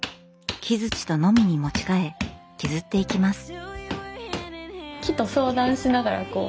木づちとノミに持ち替え削っていきます。